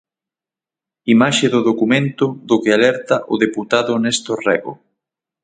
Imaxe do documento do que alerta o deputado Néstor Rego.